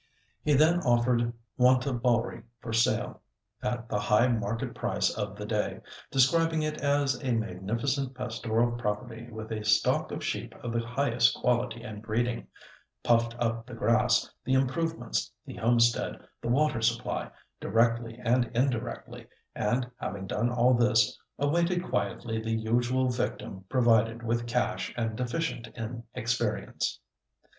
He then offered Wantabalree for sale, at the high market price of the day, describing it as a magnificent pastoral property with a stock of sheep of the highest quality and breeding; puffed up the grass, the improvements, the homestead, the water supply, directly and indirectly, and having done all this, awaited quietly the usual victim provided with cash and deficient in experience.